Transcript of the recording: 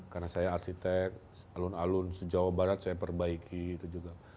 karena saya arsitek alun alun sejauh barat saya perbaiki itu juga